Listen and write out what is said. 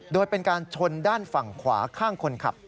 โดยเป็นการชนด้านฝั่งขวาข้างคนขับ